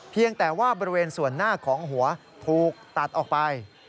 เพียงแต่ว่าบริเวณส่วนหน้าของหัวถูกตัดออกไป